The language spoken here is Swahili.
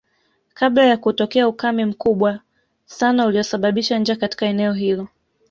Kabla ya kutokea ukame mkubwa sana uliosababisha njaa katika eneo hilo